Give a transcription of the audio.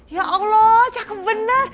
ya allah cakep bener